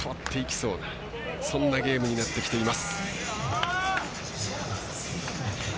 そんなゲームになってきています。